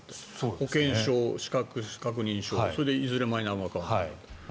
保険証、資格確認書、それでいずれマイナンバーカード。